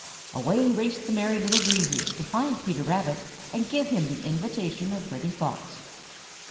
Away raced the Merry Little Breezes to find Peter Rabbit and give him the invitation of Reddy Fox.